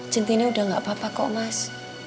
cinti ini udah gak apa apa kok mas